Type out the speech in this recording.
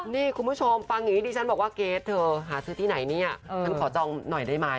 นี่คุณผู้ชมฟังอย่างนี้ดิฉันบอกว่าเกรทเธอหาซื้อที่ไหนเนี่ยฉันขอจองหน่อยได้ไหม